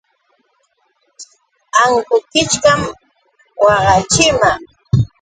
Ankukichkam waqaachiman.